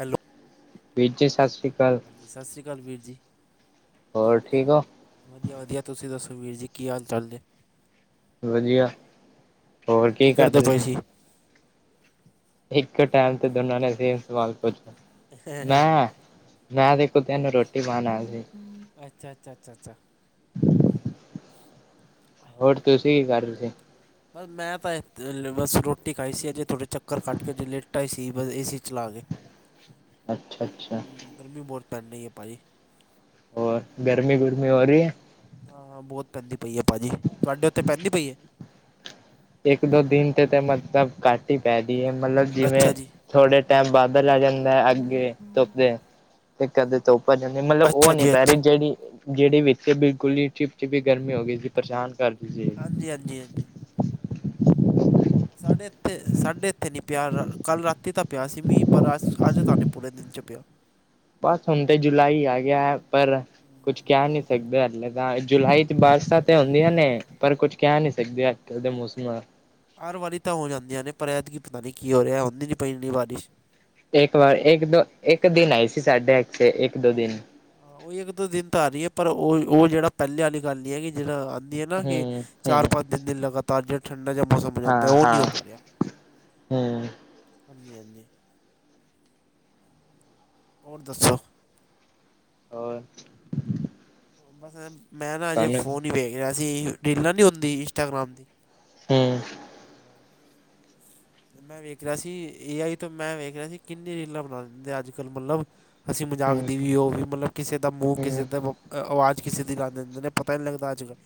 Hello ਵੀਰ ਜੀ ਸਤਿ ਸ਼੍ਰੀ ਅਕਾਲ ਹਾਂਜੀ ਸਤਿ ਸ਼੍ਰੀ ਅਕਾਲ ਵੀਰ ਜੀ ਹੋਰ ਠੀਕ ਉ ਵਧੀਆ ਵਧੀਆ ਤੁਸੀਂ ਦੱਸੋ ਵੀਰ ਜੀ ਕੀ ਹਾਲ ਚਾਲ ਜ ਵਧੀਆ ਹੋਰ ਕੀ ਕਰਦੇ ਤੁਸੀਂ ਇੱਕ ਟਾਈਮ ਤੇ ਦੋਨਾਂ ਨੇ ਸੇਮ ਸਵਾਲ ਪੁੱਛਣਾ ਮੈਂ ਆ ਦੇਖੋ ਤਿੰਨ ਰੋਟੀ ਪਾਉਣ ਆਇਆ ਸੀ ਅੱਛਾ ਅੱਛਾ ਅੱਛਾ ਅੱਛਾ [inaudible] ਹੋਰ ਤੁਸੀਂ ਕੀ ਕਰ ਰਹੇ ਸੀ ਬਸ ਮੈਂ ਤਾਂ ਬਸ ਰੋਟੀ ਖਾਈ ਸੀ ਅਜੇ ਥੋੜ੍ਹੇ ਚੱਕਰ ਕੱਟ ਕੇ ਅਜੇ ਲੇਟਾਂ ਹੀ ਸੀ ਬਸ ਏ ਸੀ ਚਲਾ ਕੇ [inaudible] ਅੱਛਾ ਅੱਛਾ ਹੂੰ ਗਰਮੀ ਬਹੁਤ ਪੈਣੀ ਹੈ ਭਾਈ ਹੋਰ ਗਰਮੀ ਗਰਮੀ ਹੋ ਰਹੀ ਹਾਂ ਬਹੁਤ ਪੈਂਦੀ ਪਈ ਹੈ ਭਾਅ ਜੀ ਤੁਹਾਡੇ ਉੱਥੇ ਪੈਂਦੀ ਪਈ ਹੈ ਇੱਕ ਦੋ ਦਿਨ ਤੇ ਤੇ ਮਤਲਬ ਕੱਟ ਹੀ ਪੈਦੀ ਹੈ ਮਤਲਬ ਜਿਵੇਂ ਅੱਛਾ ਜੀ ਥੋੜੇ ਟਾਈਮ ਬਾਦਲ ਆ ਜਾਂਦਾ ਹੈ ਅੱਗੇ ਧੁੱਪ ਦੇ ਤੇ ਕਦੇ ਧੁੱਪ ਆ ਜਾਂਦੀ ਹੈ ਮਤਲਬ ਉਹ ਅੱਛਾ ਨੀ ਜੀ ਪੈ ਰਹੀ ਅੱਛਾ ਜਿਹੜੀ ਜਿਹੜੀ ਵਿੱਚ ਬਿਲਕੁਲ ਹੀ ਚਿਪ ਚਪੀ ਗਰਮੀ ਹੋ ਗਈ ਸੀ ਬਰਸਾਤ ਕਰਕੇ ਹਾਂਜੀ ਹਾਂਜੀ ਹਾਂਜੀ ਸਾਡੇ ਇੱਥੇ ਸਾਡੇ ਇੱਥੇ ਨਹੀਂ ਪਿਆ ਕੱਲ ਰਾਤੀ ਤਾਂ ਪਿਆ ਸੀ ਮ ਪਰ ਅ ਅੱਜ ਤਾਂ ਨਹੀਂ ਪੂਰੇ ਦਿਨ 'ਚ ਪਿਆ ਬਸ ਹੁਣ ਤੇ ਜੁਲਾਈ ਹੀ ਆ ਗਿਆ ਹੈ ਪਰ ਕੁਛ ਕਹਿ ਨਹੀਂ ਸਕਦੇ ਹਲੇ ਜੁਲਾਈ ਚ ਬਾਰਿਸ਼ਾਂ ਤੇ ਹੁੰਦੀਆਂ ਨੇ ਪਰ ਕੁੱਝ ਕਹਿ ਨਹੀਂ ਸਕਦੇ ਅੱਜ ਕੱਲ੍ਹ ਦੇ ਮੌਸਮ ਹਰ ਵਾਰੀ ਤਾਂ ਹੋ ਜਾਂਦੀਆਂ ਨੇ ਪਰ ਇਤਕੀ ਪਤਾ ਨਹੀਂ ਕੀ ਹੋ ਰਿਹਾ ਹੁੰਦੀ ਨਹੀਂ ਪਈ ਨਹੀਂ ਬਾਰਿਸ਼ ਇੱਕ ਵਾਰ ਇੱਕ ਦੋ ਇੱਕ ਦਿਨ ਆਈ ਸੀ ਸਾਢੇ ਇਥੇ ਇੱਕ ਦੋ ਦਿਨ ਹਾਂ, ਉਹ ਇੱਕ ਦੋ ਦਿਨ ਤਾਂ ਆਰੀ ਹੈ ਪਰ ਉਹ ਉਹ ਜਿਹੜਾ ਪਹਿਲੇ ਵਾਲੀ ਗੱਲ ਨਹੀਂ ਹੈ ਕਿ ਜਹੜਾ ਹੈ ਨਾ ਕਿ ਹੂੰ ਚਾਰ ਹੂੰ ਪੰਜ ਦਿਨ ਦਿਨ ਲਗਾਤਾਰ ਜਿੜਾ ਠੰਡਾ ਜ ਮੌਸਮ ਹਾਂ ਲਗਦਾ ਉਹ ਨਹੀਂ ਹਾਂ ਹੋ ਪਾ ਰਿਹਾ ਹੂੰ ਹਾਂਜੀ ਹਾਂਜੀ ਹੋਰ ਦੱਸੋ ਹੋਰ ਬਸ ਮੈਂ ਨਾ ਅਜੇ ਤੁਹਾਨੂੰ ਫੋਨ ਹੀ ਵੇਖ ਰਿਹਾ ਸੀ ਰੀਲਾਂ ਨਹੀਂ ਹੁੰਦੀ ਇੰਸਟਾਗ੍ਰਾਮ ਦੀ। ਹੂੰ। [unintelligible] ਮੈਂ ਵੇਖ ਰਿਹਾਂ ਸੀ ਏ ਆਈ ਤੇ ਮ ਵੇਖ ਰਿਹਾਂ ਸੀ ਕਿੰਨੀ ਰੀਲਾਂ ਬਣਾਉਦੇ ਅੱਜ ਕੱਲ ਮਤਲਬ ਅਸੀਂ ਮਜ਼ਾਕ ਹੂੰ ਦੀ ਵੀ ਉਹ ਵੀ ਮਤਲਬ ਕਿਸੇ ਦਾ ਮੂੰਹ ਹੂੰ ਕਿਸੇ ਦਾ ਬ ਆਵਾਜ਼ ਕਿਸੇ ਦਿਨ ਆਉਂ ਦਿੰਦੇ ਨਹੀਂ ਪਤਾ ਹੀ ਨਹੀਂ ਲੱਗਦਾ ਅਜ ਕੱਲ੍ਹ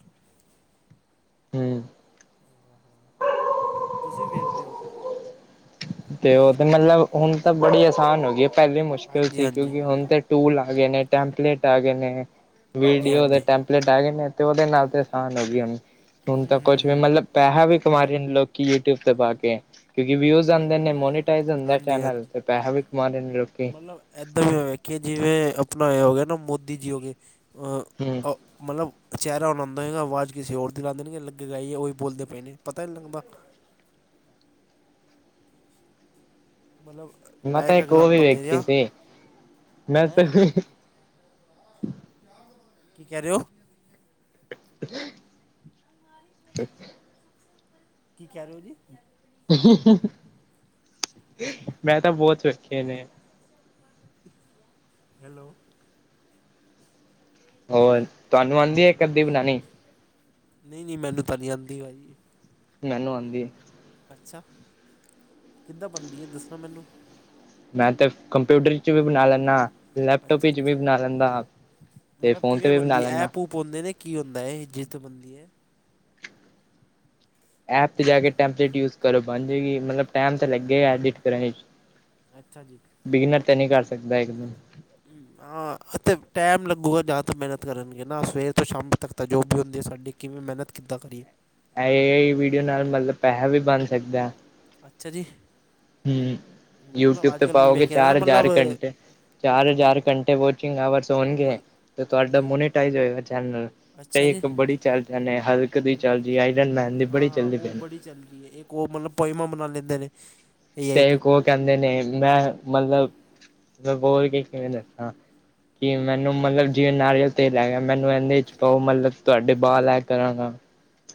ਹਮ ਤੁਸੀਂ ਵੇਖਦੇ ਹੋ ਤੇ ਉਹ ਤੇ ਮਤਲਬ ਹੁਣ ਤਾਂ ਬੜੀ ਆਸਾਨ ਹੋ ਗਈ ਪਹਿਲੀ ਮੁਸ਼ਕਿਲ ਹਾਂਜੀ ਸੀ ਹਾਂਜੀ ਕਿਉਂਕਿ ਹੁਣ ਤੇ ਟੂਲ ਆ ਗਏ ਨੇ ਟੈਂਪਲੇਟ ਆ ਗਏ ਨੇ ਹਾਂਜੀ ਵੀਡੀਓ ਦੇ ਹਾਂਜੀ ਟੈਂਪ ਪਲੇਟ ਆ ਗਏ ਨੇ ਤੇ ਉਹਦੇ ਨਾਲ ਤੇ ਆਸਾਨ ਹੋ ਗਈ ਹ ਹੁਣ ਹੂੰ ਤਾਂ ਹੂੰ ਕੁਛ ਵੀ ਹੂੰ ਮਤਲਬ ਪੈਸਾ ਵੀ ਕਮਾ ਰਹੇ ਨੇ ਲੋਕੀ ਯੂਟਿਊਬ ਤੇ ਪਾ ਕੇ ਕਿਉਂਕਿ ਵਿਊਜ਼ ਮੋਨੀਟਾਈਜ਼ ਹੁੰਦਾ ਹਾਂਜੀ ਚੈਨਲ ਹਾਂਜੀ ਤੇ ਪੈਹੈ ਵੀ ਕਮਾ ਲੈਂਦੇ ਲੋਕੀ। ਮਤਲਬ ਇੱਦਾਂ ਵੀ ਮੈਂ ਵੇਖਿਆ ਕੀ ਜਿਵੇਂ ਆਪਣਾ ਇਹ ਹੋ ਗਿਆ ਨਾ ਮੋਦੀ ਜੀ ਹੋ ਗਏ। ਹੂੰ। ਮਤਲਬ ਚਿਹਰਾ ਉਨਉਂਦਾਏਗਾ ਆਵਾਜ਼ ਕਿਸੇ ਹੋਰ ਦੀ ਲਾ ਦੇਣਗੇ ਲੱਗੇ ਉਹ ਵੀ ਬੋਲਦੇ ਪਏ ਨਹੀਂ ਪਤਾ ਹੀ ਨਹੀਂ ਲੱਗਦਾ। ਮਤਲਬ, ਮੈਂ ਤਾਂ ਇੱਕ ਉਹ ਵੀ ਇਗਜਾਮਪਲ ਦੇ ਰਿਹਾ, ਵੇਖੀ ਸੀ ਮੈਂ ਹੂੰ। ਕੀ ਕਹਿ ਰਹੇ ਹੋ? [inaudible] ਕੀ ਕਹਿ ਰਹੇ ਹੋ ਜੀ? ਮੈਂ ਤਾਂ ਬਹੁਤ ਸੌਖੇ ਨੇ। ਹੈਲੋ। ਹੋਰ ਤੁਹਾਨੂੰ ਆਉਂਦੀ ਹੈ ਇੱਕ ਅੱਧੀ ਬਣਾਉਣੀ। ਨਹੀਂ, ਨਹੀਂ, ਮੈਨੂੰ ਤਾਂ ਨਹੀਂ ਆਉਂਦੀ ਭਾਜੀ। ਮੈਨੂੰ ਆਉਂਦੀ ਹੈ। ਅੱਛਾ, ਕਿੱਦਾਂ ਬਣਦੀ ਹੈ ਦੱਸਣਾ ਮੈਨੂੰ? ਮੈਂ ਤੇ ਕੰਪਿਊਟਰ ਚ ਵੀ ਬਣਾ ਲੈਂਦਾ। ਲੈਪਟੋਪ ਅੱਛਾ ਵਿੱਚ ਵੀ ਅੱਛਾ ਬਣਾ ਲੈਂਦਾ, ਤੇ ਫੋਨ ਤੇ ਵੀ ਬਣਾ ਲੈਂਦਾ ਹਾਂ। ਪਾਉਂਦੇ ਨੇ ਕੀ ਹੁੰਦਾ ਇਹ ਜਿੱਤ ਬਣਦੀ ਹੈ। ਐਪ ਤੇ ਜਾ ਕੇ ਟੈਂਪਲੇਟ ਯੂਜ ਕਰੋ ਬਣ ਜੇਗੀ ਮਤਲਬ ਟਾਈਮ ਤਾਂ ਲੱਗੇ ਐਡਿਟ ਕਰਨ ਚ। ਅੱਛਾ ਜੀ। ਬਿਗਿਨਰ ਤਾਂ ਨਹੀਂ ਕਰ ਸਕਦਾ ਇਹ। ਹੂੰ, ਹਾਂ। ਹਾਂ ਅਤੇ ਟਾਈਮ ਲੱਗੂਗਾ ਜਾਂ ਤੋਂ ਮਿਹਨਤ ਕਰਨਗੇ ਨਾ ਸਵੇਰ ਤੋਂ ਸ਼ਾਮ ਤੱਕ ਤਾਂ ਜੋ ਵੀ ਹੁੰਦੀ ਹੈ ਸਾਡੀ। ਕਿਵੇਂ ਮਿਹਨਤ ਕਿਦਾਂ ਕਰੀਏ। ਇਹ ਵੀਡੀਓ ਨਾਲ ਮਤਲਬ ਪੈਸਾ ਵੀ ਬਣ ਸਕਦਾ ਹੈ। ਅੱਛਾ ਜੀ। ਹੂੰ, ਯੂਟਿਊਬ ਮਤਲਬ ਅੱਜ ਤੇ ਕੱਲ੍ਹ ਮੈਂ ਪਾਓਗੇ ਵੇਖਿਆ ਨਾ ਚਾਰ ਮਤਲਬ ਹਜ਼ਾਰ ਘੰਟੇ। ਚਾਰ ਮਲ ਹਜ਼ਾਰ ਘੰਟੇ ਵੋਚਿੰਗ ਆਵਰ ਹਾਂ ਹੋਣਗੇ ਮਲ ਤੁਹਾਡਾ ਹਾਂਜੀ ਮੋਨੀਟਾਈਜ ਹੋਏਗਾ ਚੈਲਨ ਅੱਛਾ ਕਈ ਜੀ ਇੱਕ ਬੜੀ ਚੱਲ ਜਾਂ ਨੇ ਹਲਕ ਦੀ ਚੱਲਦੀ ਆਈਰਨ ਮੈਨ ਦੀ ਹਾਂ ਬੜੀ ਹਾਂ ਚੱਲਦੀ ਉਹ ਪਏ ਨੇ। ਬੜੀ ਚੱਲ ਰਹੀ ਹੈ ਇੱਕ ਉਹ ਮਤਲਬ ਪੌਈਮਾ ਬਨਾ ਲੈਂਦੇ ਨੇ। ਏ ਤੇ ਆਈ ਤੋਂ ਉਹ ਕਹਿੰਦੇ ਨੇ ਮੈਂ ਮਤਲਬ, ਮੈਂ ਬੋਲ ਕੇ ਕਿਵੇਂ ਦੱਸਾਂ। ਕਿ ਮੈਨੂੰ ਮਤਲਬ ਜਿਵੇਂ ਨਾਰੀਅਲ ਤੇਲ ਹੈੈ ਗਿਆ ਮੈਨੂੰ ਇਹਦੇ ਚ ਪਾਹੋ ਮਤਲਬ ਤੁਹਾਡੇ ਬਾਹਾਲ ਲੈ ਕਰਾਂਗਾ।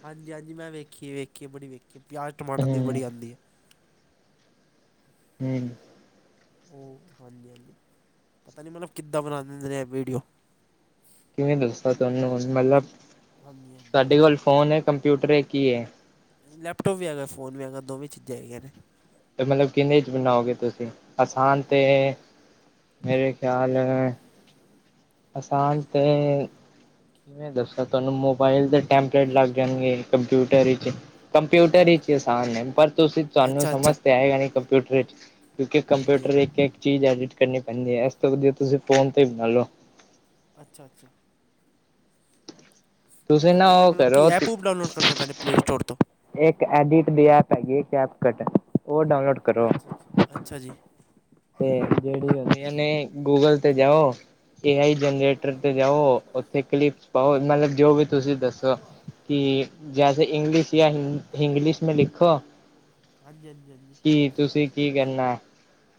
ਹਾਂਜੀ ਹਾਂਜੀ, ਮੈਂ ਵੇਖੀਏ ਵੇਖੀਏ ਬੜੀ ਵੇਖੀਏ ਪਿਆਜ਼ ਟਮਾਟਰ ਦੀ ਹੂੰ ਬੜੀ ਆਉਂਦੀ ਹੈ। ਹੂੰ। ਓਹ ਹਾਂਜੀ ਹਾਂਜੀ, ਪਤਾ ਨੀ ਮਤਲਬ ਕਿੱਦਾਂ ਬਣਾ ਦਿੰਦੇ ਨੇ ਐ ਵੀਡੀਓ। ਕਿਵੇਂ ਦੱਸਾਂ ਤੁਹਾਨੂੰ ਹੁਣ ਮਤਲਬ ਹਾਂਜੀ ਹਾਂਜੀ ਤੁਹਾਡੇ ਕੋਲ ਫ਼ੋਨ ਏ, ਕੰਪਿਊਟਰ ਏ ਕੀ ਏ? ਲੈਪਟੋਪ ਵੀ ਹੈਗਾ ਫੋਨ ਵੀ ਹੈਗਾ ਦੋਵੇਂ ਚੀਜ਼ਾਂ ਹੈਗੀਆਂ ਨੇ। ਤੇ ਮਤਲਬ ਕਿੰਨੇ ਚ ਬਣਾਓਗੇ ਤੁਸੀ ਆਸਾਨ ਤੇ ਮੇਰੇ ਖਿਆਲ ਅਸਾਨ ਤੇ ਮੈਂ ਦੱਸਾਂ ਤੁਹਾਨੂੰ ਮੋਬਾਇਲ ਦੇ ਟੈਂਪਲੇਟ ਲੱਗ ਜਾਣਗੇ ਕੰਪਿਊਟਰ ਇਚ। ਅੱਛਾ ਕੰਪਿਊਟਰ ਅੱਛਾ ਇਚ ਈ ਅਸਾਨ ਨੇ ਪਰ ਤੁਸੀ ਤੁਹਾਨੂੰ ਅੱਛਾ ਅੱਛਾ ਅੱਛਾ ਸਮਝ ਤੇ ਆਏਗਾ ਨੀ ਕੰਪਿਊਟਰ ਇਚ। ਕਿਉਂਕਿ ਹਾਂਜੀ ਕੰਪਿਊਟਰ ਇੱਕ ਇੱਕ ਚੀਜ਼ ਐਡਿਟ ਕਰਨੀ ਪੈਂਦੀ ਐ, ਇਸ ਤੋਂ ਵਧੀਆ ਤੁਸੀਂ ਫੋਨ ਤੇ ਹੀ ਬਣਾ ਲਉ। ਅੱਛਾ-ਅੱਛਾ। ਤੁਸੀਂ ਨਾ ਫ਼ੋਨ ਤੇ ਉਹ ਮਤਲਬ ਕੀ ਕਰੋ ਐਪ ਉਪ ਡਾਊਨਲੋਡ ਕਰਨੇ ਪੈਣੇ ਪਲੇ ਸਟੋਰ ਤੋਂ। ਇੱਕ ਐਡਿਟ ਦੀ ਐਪ ਹੈਗੀ ਕੈਪਕਟ ਉਹ ਡਾਊਨਲੋਡ ਕਰੋ ਅੱਛ-ਅੱਛ, ਅੱਛਾ ਜੀ। ਤੇ ਜਿਹੜੀ ਹੋਂਦੀਆਂ ਨੇ ਗੂਗਲ ਤੇ ਜਾਓ ਏ ਆਈ ਜਨਰੇਟਰ ਤੇ ਜਾਓ ਓਥੇ ਕਲਿਪਸ ਪਾਓ ਮਤਲਬ ਜੋ ਵੀ ਤੁਸੀ ਦੱਸੋ ਕਿ ਜੈਸੇ ਇੰਗਲਿਸ਼ ਯਾਂ ਹਿਂ ਹਿਂਗਲਿਸ਼ ਮੇਂ ਲਿਖੋ। ਹਾਂਜੀ-ਹਾਂਜੀ-ਹਾਂਜੀ। ਕੀ ਤੁਸੀ ਕੀ ਕਰਨਾ?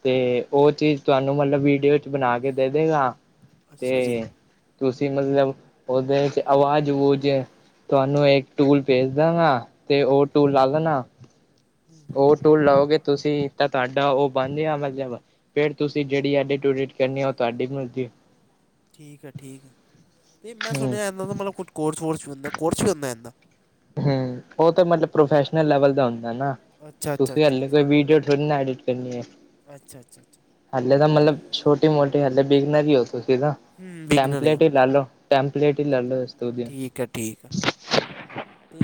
ਤੇ ਓ ਚੀਜ਼ ਤੁਹਾਨੂੰ ਮਤਲਬ ਵੀਡੀਓ ਚ ਬਣਾ ਕੇ ਦੇ ਦੇਗਾ। ਅੱਛਾ ਜੀ ਤੇ ਤੁਸੀ ਮਤਲਬ ਓਦੇ ਚ ਆਵਾਜ਼ ਵੂਜ ਤੁਹਾਨੂੰ ਇੱਕ ਟੂਲ ਭੇਜ ਦਾਂਗਾ ਤੇ ਓ ਟੂਲ ਲਾ ਲੈਣਾ। ਓ ਟੂਲ ਲਓਗੇ ਤੁਸੀ। ਤਾਂ ਤੁਹਾਡਾ ਓ ਬਨ ਯਾ ਮਤਲਬ ਫੇਰ ਤੁਸੀ ਜੇਹੜੀ ਐਡਿਟ ਉਡਿਟ ਕਰਨੀ ਐ ਓ ਤੁਹਾਡੀ ਮਰਜ਼ੀ। ਠੀਕ ਹੈ ਠੀਕ ਹੈ। ਤੇ ਮੈਂ ਹੂੰ ਸੁਣਿਆ ਇਹਨਾਂ ਦਾ ਮਤਲਬ ਕੁਟ ਕੋਰਸ ਵੋਰਸ ਵੀ ਹੁੰਦਾ। ਕੋਰਸ ਵੀ ਹੁੰਦਾ ਐਂਦਾ? ਹੂੰ। ਓ ਤਾਂ ਮਤਲਬ ਪ੍ਰੋਫੈਸ਼ਨਲ ਲੈਵਲ ਦਾ ਹੁੰਦਾ ਐ ਨਾ। ਅੱਛਾ ਅੱਛਾ ਤੁਸੀ ਅੱਛਾ ਹਲੇ ਅੱਛਾ ਕੋਈ ਵੀਡੀਓ ਥੋੜੀ ਨਾ ਐਡਿਟ ਕਰਨੀ ਐ। ਅੱਛਾ ਅੱਛਾ ਅੱਛਾ। ਹਲੇ ਤਾਂ ਮਤਲਬ ਛੋਟੀ ਮੋਟੀ ਹਲੇ ਬਿਗਨਰ ਹੀ ਹੋ ਤੁਸੀ ਨਾ। ਹੂੰ ਬਿਗਨਰ ਟੈਂਪਲੇਟ ਆ ਹੀ ਲਾ ਲੋ। ਟੈਂਪਲਲੇਟ ਇ ਲਾ ਲੋ ਇਸ ਤੋਂ ਵਧੀਆ। ਠੀਕ ਹੈ ਠੀਕ ਆ।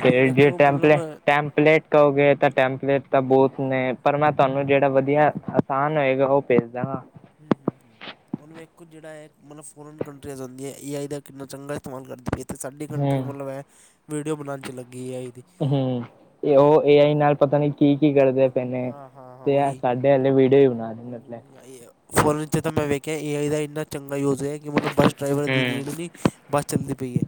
ਤੇ ਜੇ ਟੈਂਪਲੇ ਟੈਂਮਪਲੇਟ ਕਹੋਗੇ ਤਾਂ ਟੈਂਪਲੇਟ ਤਾਂ ਬੋਤ ਨੇ ਪਰ ਮੈਂ ਤੁਹਾਨੂੰ ਜੇੜਾ ਵਧੀਆ ਅਸਾਨ ਹੋਏਗਾ ਓ ਭੇਜ ਦਾਂਗਾ। ਹੁਂ ਹੁਂ ਹੁਂ। ਔਨੂੰ ਇੱਕ ਕੁ ਜੇਹੜਾ ਹੈ ਮਤਲਬ ਫੋਰਨ ਕੰਟਰੀਆਸ ਹੋਂਦੀਆਂ ਏ ਆਈ ਦਾ ਕਿੰਨਾ ਚੰਗਾ ਇਸਤੇਮਾਲ ਕਰਦੀ ਪੀ ਏ। ਤੇ ਸਾਡੀ ਕੰਟਰੀ ਹੂੰ ਮਤਲਬ ਹੈ ਵੀਡੀਓ ਬਣਾਣ ਚ ਲੱਗੀ ਐ ਏ ਆਈ ਦੀ। ਹੁਂ। ਏ ਹੈ ਨਾ ਓ ਏ ਆਈ ਨਾਲ ਪਤਾ ਨੀ ਕੀ ਕੀ ਕਰਦੇ ਪਏ ਨ ਹਾਂ ਹਾਂ ਹਾਂ ਤੇ ਆ ਉਹੀ ਸਾਡ ਡੇ ਵਾਲੇ ਵੀਡੀਓ ਈ ਹਾਂਜੀ। ਫੋਨ ਵਿਚ ਤਾਂ ਮੈਂ ਵੇਖਿਆ ਏ ਆਈ ਦਾ ਇੰਨਾ ਚੰਗਾ ਯੂਜ ਹੈ ਕਿ ਮਤਲਬ ਬ ਡਰਾਈਵਰ ਦੀ ਹੂੰ, ਨੀਡ ਨਈ ਬੱਸ ਚੱਲਦੀ ਪਈ ਏ।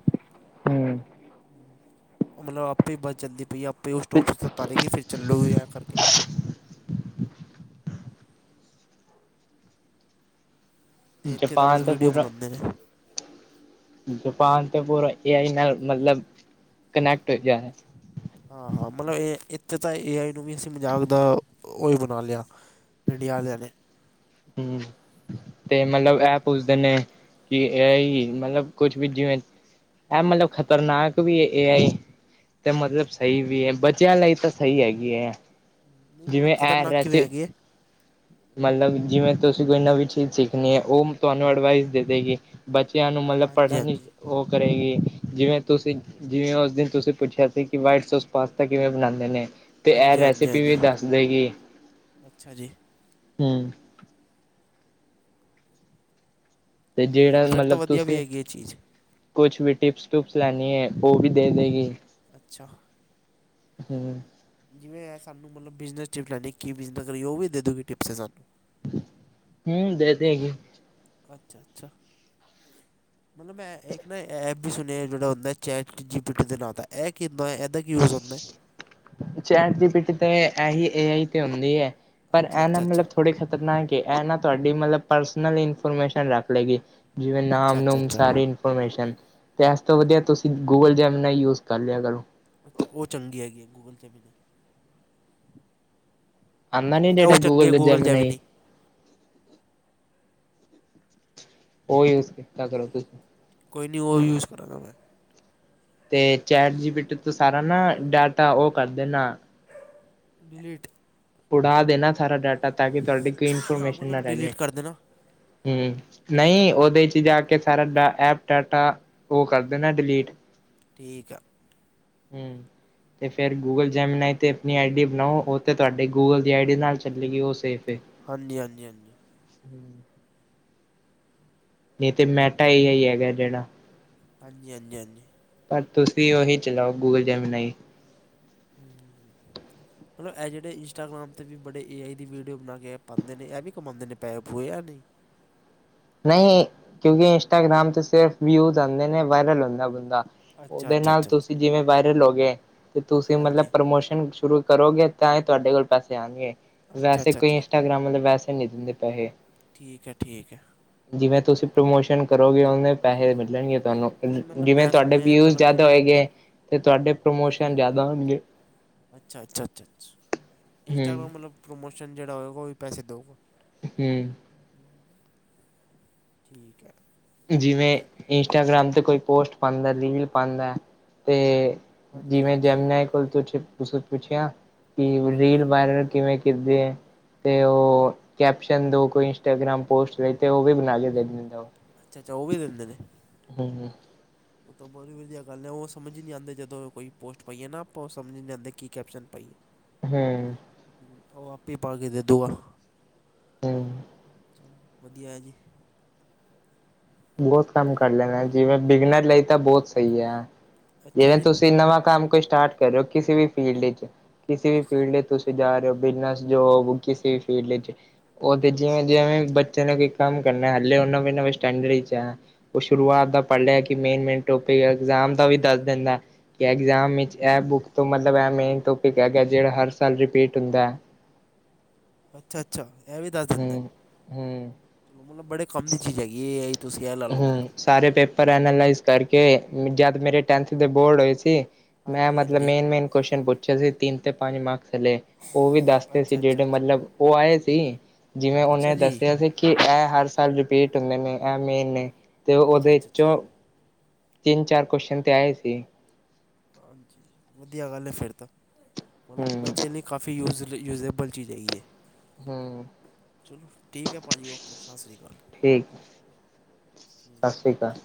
ਓ ਮਤਲਬ ਆਪੇ ਈ ਬੱਸ ਚਲਦੀ ਪਈ ਐ ਆਪੇ ਹੀ ਔ ਤੇ ਸਟੋਪਸ ਤਾਰੇਗੀ ਫੇਰ ਚੱਲੂਗੀ ਐ ਕਰਕੇ। ਤੇ ਏਥੇ ਤਾਂ ਬਸ ਜਪਾਨ ਤੇ ਵੀਡੀਓ ਪੂਰਾ ਬਣਾਂਦੇ ਨੇ। ਜਪਾਨ ਤੇ ਪੂਰਾ ਏ ਆਈ ਨਾਲ ਮਤਲਬ ਕਨੈਕਟ ਜਾ ਹੈ। ਹਾਂ ਹਾਂ ਮਤਲਬ ਏਹ ਇੱਥੇ ਤਾਂ ਏ ਆਈ ਨੂੰ ਵੀ ਅਸੀ ਮਜ਼ਾਕ ਦਾ ਓ ਈ ਬਣਾ ਲਿਆ ਇੰਡੀਆ ਵਾਲਿਆਂ ਨੇ। ਹੁਂ। ਤੇ ਮਲਬ ਐ ਪੁੱਛਦੇ ਨੇ ਕਿ ਏ ਆਈ ਮਲਬ ਕੁਛ ਵੀ ਜਿਵੇਂ ਐਹ ਮਤਲਬ ਖ਼ਤਰਨਾਕ ਵੀ ਐ ਏ ਆਈ। ਤੇ ਮਤਲਬ ਸਹੀ ਵੀ ਹੈ। ਬਚਿਆਂ ਲਈ ਤਾਂ ਸਹੀ ਹੈਗੀ ਹੈ। ਨਹੀਂ ਮਤਲਬ ਜਿਵੇਂ ਇਹ ਖ਼ਤਰਨਾਕ ਕਿਵੇਂ ਰੈਸੀ ਹੈਗੀ ਹੈ। ਮਤਲਬ ਜਿਵੇਂ ਤੁਸੀਂ ਕੋਈ ਨਵੀਂ ਚੀਜ਼ ਸਿੱਖਣੀ ਹੈ ਉਹ ਤੁਹਾਨੂੰ ਅਡਵਾਈਸ ਦੇ ਦੇਗੀ ਬੱਚਿਆਂ ਨੂੰ ਮਤਲਬ ਹਾਂਜੀ ਪੜ੍ਹਨ ਦੀ ਹਾਂਜੀ ਉਹ ਕਰੇਗੀ ਜਿਵੇਂ ਤੁਸੀਂ ਜਿਵੇਂ ਉਸ ਦਿਨ ਤੁਸੀਂ ਪੁੱਛਿਆ ਸੀ ਕਿ ਵਾਈਟ ਸੋਸ ਪਾਸਤਾ ਕਿਵੇਂ ਬਣਾਂਦੇ ਨੇ ਅਤੇ ਇਹ ਹਾਂਜੀ ਹਾਂਜੀ ਰੈਸਪੀ ਹਾਂਜੀ ਵੀ ਦੱਸ ਦੇਗੀ ਅੱਛਾ ਜੀ ਹੂੰ ਤੇ ਨਹੀਂ ਹਾਂ ਜਿਹੜਾ ਫਿਰ ਤਾਂ ਮਤਲਬ ਵਧੀਆ ਵੀ ਤੁਸੀਂ ਹੈਗੀ ਇਹ ਚੀਜ਼ ਕੁਛ ਵੀ ਟਿਪਸ ਟੁਪਸ ਲੈਣੀ ਹੈ। ਉਹ ਵੀ ਦੇ ਦੇਗੀ ਅੱਛਾ। ਹਮ ਜਿਵੇਂ ਇਹ ਸਾਨੂੰ ਮਤਲਬ ਬਿਜਨਸ ਟਿਪਸ ਲਣੀ ਕਿ ਬਿਜ਼ਨਸ ਕਰੀਏ ਉਹ ਵੀ ਦੇ ਦੂਗੀ ਟਿਪਸ ਹੈ ਸਾਨੂੰ ਹੁਂ। ਦੇਖਦੇ ਹੈਗੇ। ਅੱਛਾ ਅੱਛਾ। ਮਤਲਬ ਮੈਂ ਏਕ ਨਾ ਐਪ ਵੀ ਸੁਣਿਆ ਜਿਹੜਾੁ ਹੁੰਦਾ ਚੈਟ ਜੀ ਪੀਟੀ ਦੇ ਨਾਂ ਦਾ ਐ ਕੀ ਹੁੰਦਾ? ਇਹਦਾ ਕੀ ਯੂਜ ਹੁੰਦਾ ਐ। ਚੈਟ ਜੀ ਪੀ ਟੀ ਤੇ ਐਹੀ ਏ ਆਈ ਤੇ ਹੁੰਦੀ ਐ ਪਰ ਅੱਛਾ ਐ ਨਾ ਅੱਛਾ ਅੱਛਾ ਮਤਲਬ ਥੋੜ੍ਹੀ ਨਾ ਕਿ ਐ ਨਾ ਤੁਹਾਡੀ ਮਤਲਬ ਪਰਸਨਲ ਇਨਫੋਰਮੇਸ਼ਨ ਰੱਖ ਲੇਗੀ। ਜਿਵੇਂ ਅੱਛਾ ਨਾਮ ਅੱਛਾ ਨੂਮ ਅੱਛਾ ਸਾਰੀ ਪੋਮੇਰਮ [unintelligible] ਤੇ ਇਸ ਤੋਂ ਵਧੀਆ ਤੁਸੀਂ ਗੂਗਲ ਜੈਮ ਨਾਲ ਯੂਜ ਕਰ ਲਿਆ ਕਰੋ ਅੱਛਾ ਉਹ ਚੰਗੀ ਹੈਗੀ ਹੈ। ਗੂਗਲ 'ਤੇ ਵੀ ਨਹੀਂ ਆਉਂਦਾ ਨੀ ਮੈਂ ਕਿਹਾ ਉਹ ਜਿਹੜਾ ਚੰਗੀ ਆ ਦਾ ਗੂਗਲ ਜਾਵੇ ਜੈਮਨਾਈ ਨਹੀਂ [unintelligible] ਉਹ ਯੂਜ ਕੀਤਾ ਕਰੋ ਤੁਸੀਂ [unintelligible] ਕੋਈ ਨਹੀਂ ਉਹ ਯੂਜ਼ ਕਰਾਂਗਾ ਮੈਂ ਤੇ ਚੈਟਜੀਪੀਟੀ ਤੋਂ ਸਾਰਾ ਨਾ ਡਾਟਾ ਉਹ ਕਰ ਦੇਣਾ ਡਿਲੀਟ ਉੜ੍ਹਾ ਦੇਣਾ ਸਾਰਾ ਡਾਟਾ ਤਾਂ ਕਿ ਤੁਹਾਡੀ ਕੋਈ ਹਾਂ ਇਨਫੋਰਮੇਸ਼ਨ ਨਾ ਮਤਲਬ ਰਹਿ ਜਾਏ। ਡਿਲੀਟ ਕਰ ਦੇਣਾ ਹਮ, ਨਹੀਂ ਉਹਦੇ ਚ ਜਾ ਕੇ ਸਾਰਾ ਐਪ ਡਾਟਾ ਉਹ ਕਰਦੇਣਾ ਡਿਲੀਟ ਠੀਕ ਆ ਹਮ ਤੇ ਫਿਰ ਗੂਗਲ ਜੈਮਨਾਈਤੇ ਆਪਣੀ ਆਈ ਡੀ ਬਣਾਓ ਉਹ ਤਾਂ ਤੁਹਾਡੇ ਗੂਗਲ ਦੀ ਆਈ ਡੀ ਨਾਲ ਚੱਲੇਗੀ ਉਹ ਸੇਫ ਏ ਹਾਂਜੀ -ਹਾਂਜੀ- ਹਾਂਜੀ। ਹਮ ਨਹੀਂ ਤੇ ਮੈਂਟ ਆਈ ਹੈਗਾ ਜਿਹੜਾ ਹਾਂਜੀ- ਹਾਂਜੀ- ਹਾਂਜੀ। ਪਰ ਤੁਸੀਂ ਉਹੀ ਚਲਾਓ ਗੂਗਲ ਜੈਮਨਾਈ। ਹਮ -ਹਮ -ਹਮ। ਮਤਲਬ ਇਹ ਜਿਹੜੇ ਇੰਸਟਾਗ੍ਰਾਮ 'ਤੇ ਵੀ ਬੜੇ ਏ ਆਈ ਦੀ ਵੀਡੀਓ ਬਣਾ ਕੇ ਪਾਉਂਦੇ ਨੇ ਇਹ ਵੀ ਕਮਾਉਂਦੇ ਨੇ ਪੈਸ ਪੂਏਆ ਨਹੀਂ ਨਹੀਂ ਕਿਉਂਕਿ ਇੰਸਟਾਗ੍ਰਾਮ ਤੇ ਸਿਰਫ ਵਿਊਜ਼ ਆਉਂਦੇ ਨੇ ਵਾਇਰਲ ਹੁੰਦਾ ਬੰਦਾ ਅੱਛਾ ਉਹਦੇ ਅੱਛਾ ਨਾਲ ਅੱਛਾ ਅੱਛਾ ਤੁਸੀਂ ਜਿਵੇਂ ਵਾਇਰਲ ਹੋ ਗਏ ਤੇ ਤੁਸੀਂ ਮਤਲਬ ਹਾਂਜੀ ਪ੍ਰਮੋਸ਼ਨ ਸ਼ੁਰੂ ਕਰੋਗੇ ਤਾਂਏ ਤੁਹਾਡੇ ਕੋਲ ਪੈਸੇ ਆਉਣਗੇ‌‌। ਅੱਛਾ ਵੈਸੇ ਅੱਛਾ ਕੋਈ ਅੱਛਾ ਇੰਸਟਾਗ੍ਰਾਮ ਮਤਲਬ ਵੈਸੇ ਨਹੀਂ ਦਿੰਦੇ ਪੈਸੇ ਠੀਕ ਹੈ, ਠੀਕ ਹੈ ਜਿਵੇਂ ਤੁਸੀਂ ਪ੍ਰਮੋਸ਼ਨ ਕਰੋਗੇ ਉਹਨੇ ਪੈਸੇ ਮਿਲਣ ਮਿਲਣਗੇ ਹਮ, ਤੁਹਾਨੂੰ ਨਹੀਂ ਮਤਲਬ ਜਿਵੇਂ ਮੈਂ ਤੁਹਾਡੇ ਸੁਣਿਆ ਹੈ ਵਿਊਜ਼ ਮਤਲਬ ਜਿਆਦਾ ਜਿਵੇਂ ਹੋਏਗੇ। ਤੇ ਤੁਹਾਡੇ ਪ੍ਰਮੋਸ਼ਨ ਜ਼ਿਆਦਾ ਹੋਣਗੇ ਅੱਛਾ- ਅੱਛਾ, ਅੱਛਾ -ਅੱਛਾ ਹਮ ਇੰਸਟਾਗ੍ਰਾਮ ਮਤਲਬ ਪ੍ਰਮੋਸ਼ਨ ਜਿਹੜਾ ਹੋਵੇਗਾ ਉਹ ਵੀ ਪੈਸੇ ਦੇਊਗਾ। ਹਮ ਠੀਕ ਹੈ ਜਿਵੇਂ ਤੇ ਇੰਸਟਾਗ੍ਰਾਮ ਤੇ ਕੋਈ ਪੋਸਟ ਪਾਉਂਦਾ, ਰੀਲ ਪਾਉਂਦਾ ਤੇ ਹਾਂਜੀ ਜਿਵੇੈਂ ਹਾਂਜੀ ਜੈਮਨਾਈ ਕੋਲ ਕੁਛ ਪੁੱਛਿਆ। ਕਿਵੇ ਹਾਂਜੀ ਰੀਲ ਵਾਇਰਲ ਕਿਵੇਂ ਕਰਦੇ ਹੈ। ਤੇ ਉਹ ਕੈਪਸ਼ਨ ਦੋ ਕੋਈ ਇੰਸਟਾਗ੍ਰਾਮ ਪੋਸਟ ਲਈ ਤੇ ਉਹ ਵੀ ਬਣਾ ਕੇ ਦੇ ਦਿੰਦਾ ਉਹ ਅੱਛਾ-ਅੱਛਾ, ਉਹ ਵੀ ਦਿੰਦੇ ਨੇ। ਹਮ- ਹਮ। ਉਹ ਤਾਂ ਬਹੁਤ ਵਧੀਆ ਗੱਲ ਹੈ ਉਹ ਸਮਝ ਨਹੀਂ ਆਉਂਦੇ ਜਦੋਂ ਕੋਈ ਪੋਸਟ ਪਈਏ ਨਾ ਆਪਾਂ ਉਹ ਸਮਝ ਨਹੀਂ ਆਉਂਦੇ ਕੀ ਕੈਪਸ਼ਨ ਪਾਈਏ ਹਮ। ਉਹ ਆਪੇ ਪਾ ਕੇਤੇ ਦੂਆ। ਹਮ। ਵਧੀਆ ਹੈ ਜੀ। ਬਹੁਤ ਕੰਮ ਕਰ ਲੈਂਣਾ ਜਿਵੇਂ ਬਿਗਨਰ ਲਈ ਤਾਂ ਬਹੁਤ ਸਹੀ ਹੈ ਅੱਛਾ ਜਿਵੇਂ ਜੀ ਤੁਸੀਂ ਨਵਾਂ ਕੰਮ ਕੋਈ ਸਟਾਰਟ ਕਰਿਓ ਕਿਸੇ ਵੀ ਫੀਲਡ ਵਿੱਚ, ਕਿਸੇ ਵੀ ਅੱਛਾ ਫੀਲਡ ਤੁਸੀਂ ਜਾ ਰਹੇ ਹੋ ਬਿਜਨਸ ਜੋਬ ਕਿਸੇ ਵੀ ਫੀਲਡ ਵਿੱਚ ਉਹ ਤੇ ਜਿਵੇਂ- ਜਿਵੇਂ ਬੱਚੇ ਨੂੰ ਕੋਈ ਕੰਮ ਕਰਨਾ ਹਲੇ ਉਹ ਨਵੇਂ ਨਵੇਂ ਸਟੈਂਡਰਡ ਉਹ ਸ਼ੁਰੂਆਤ ਦਾ ਪੜ੍ਹ ਲਿਆ ਕਿ ਮੇਨ- ਮੇਨ ਟੋਪਿਕ ਇਗਜ਼ਾਮ ਦਾ ਵੀ ਦੱਸ ਦਿੰਦਾ ਏ ਕਿ ਐਗਜ਼ਾਮ ਵਿਚ ਇਹ ਬੁੱਕ ਤੋਂ ਮਤਲਬ ਇਹ ਮੇਨ ਟੋਪਿਕ ਹੈਗਾ ਜਿਹੜਾ ਹਰ ਸਾਲ ਰਿਪੀਟ ਹੁੰਦਾ ਹੈ ਅੱਛਾ -ਅੱਛਾ ਇਹ ਵੀ ਦੱਸ ਦਿੰਦਾ ਏ, ਹਮ ਹਮ ਚਲੋ ਮਤਲਬ ਬੜੇ ਕਮ ਦੀ ਚੀ ਜਾ ਹੈਗੀ ਤੁਸੀਂ ਇਹ ਲਾ ਲਓ ਮਤਲਬ ਹੂੰ ਸਾਰੇ ਪੇਪਰ ਐਨਾਲਜ਼ ਕਰਕੇ ਜਦ ਮੇਰੇ ਟੈਂਥ ਦੇ ਬੋਰਡ ਹੋਏ ਸੀ ਮੈਂ ਹਾਂਜੀ ਮਤਲਬ ਹਾਂਜੀ ਮੇਨ- ਮੇਨ ਕੁਸ਼ਚਨ ਪੁੱਛੇ ਸੀ ਤਿੰਨ ਤੇ ਪੰਜ ਮਾਰਕਸਲੇੇ ਉਹ ਵੀ ਦੱਸਦੇ ਸੀ। ਅੱਛਾ ਅੱਛਾ ਜਿਹੜੇ ਅੱਛਾ ਮਤਲਬ ਉਹ ਆਏ ਸੀ। ਜਿਵੇਂ ਉਹਨੇ ਅੱਛਾ ਜੀ ਦੱਸਿਆ ਸੀ। ਕਿ ਇਹ ਹਰ ਸਾਲ ਰਿਪੀਟ ਹੁੰਦੇ ਨੇ। ਇਹ ਮੇਨ ਨੇ ਤੇ ਉਹ ਅੱਛਾ ਉਹਦੇ ਅੱਛਾ ਅੱਛਾ ਵਿੱਚੋਂ। ਅੱਛਾ। ਤਿੰਨ ਚਾਰ ਕੁਸ਼ਚਨ ਤੇ ਆਏ ਸੀ। ਹਾਂਜੀ ਵਧੀਆ ਗੱਲ ਹੈ ਫਿਰ ਤਾਂ। ਮਤਲਬ ਬੱਚੇ ਲਈ ਕਾਫੀ ਯੂਜ ਯੂਜਲ ਜਾਗੀ ਹੈ। ਹੂੰ-ਹੂੰ ਚਲੋ ਠੀਕ ਹੈ ਭਾਅ ਜੀ ਓਕੇ ਸਤਿ ਸ਼੍ਰੀ ਅਕਾਲ। ਠੀਕ ਸਤਿ ਸ਼੍ਰੀ ਅਕਾਲ।